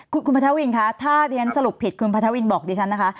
คุณพระเทวินค่ะถ้าเรียนสรุปผิดคุณพระเทวินบอกดิฉันนะคะ